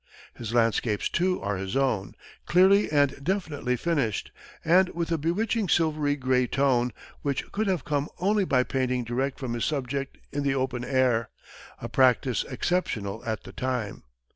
His landscapes, too, are his own, clearly and definitely finished, and with a bewitching silvery gray tone, which could have come only by painting direct from his subject in the open air, a practice exceptional at the time.